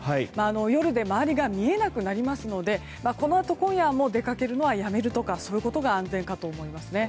夜で周りが見えなくなりますのでこのあと今夜出かけるのはやめるとか、そういうことが安全かと思いますね。